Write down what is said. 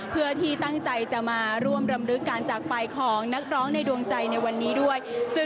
เพื่อที่ตั้งใจจะมาร่วมรำลึกการจากไปของนักร้องในดวงใจในวันนี้ด้วย